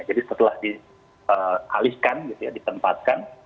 jadi setelah dialihkan ditempatkan